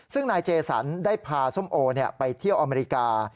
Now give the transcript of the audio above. ซึ่งนายเจสันได้พาส้มโอไปเที่ยวอเมริกา